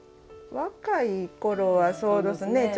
若い頃はそうどすね。